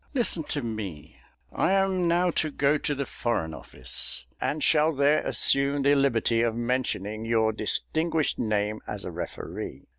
Listen to me; I am now to go to the Foreign Office, and shall there assume the liberty of mentioning your distinguished name as a referee."